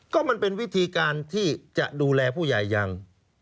ก็มันเป็นวิธีการที่จะดูแลผู้ใหญ่ยัง